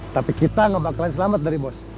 tapi kita gak bakalan selamat dari bos